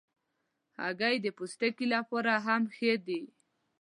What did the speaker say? هګۍ د پوستکي لپاره هم ښه ده.